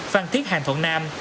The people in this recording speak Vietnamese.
phan thiết hàng thuận nam